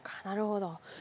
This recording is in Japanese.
なるほど。